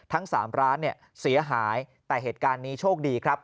ทั้ง๓ร้านเนี่ยเสียหายแต่เหตุการณ์นี้โชคดีครับ